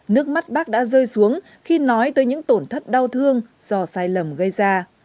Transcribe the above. nước mắt bác đã rơi xuống khi nói tới những tổn thất đau thương do sai lầm gây ra